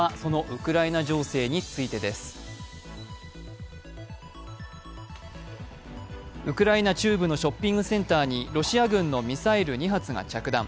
ウクライナ中部のショッピングセンターにロシア軍のミサイル２発が着弾。